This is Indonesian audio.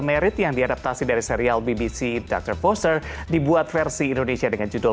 merit yang diadaptasi dari serial bbc doctor foster dibuat versi indonesia dengan judul